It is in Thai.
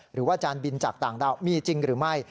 อาจารย์บินจากต่างดาวมีจริงหรือไม่